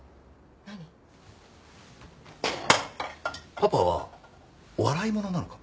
パパは笑い物なのか？